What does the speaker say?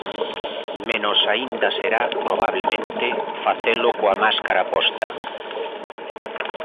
Menos aínda será, probablemente, facelo coa máscara posta.